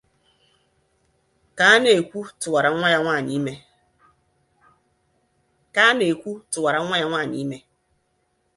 ka a na-ekwu tụwara nwa ya nwaanyị ime